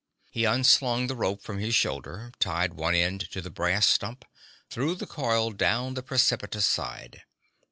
He unslung the rope from his shoulder, tied one end to the brass stump, threw the coil down the precipitous side.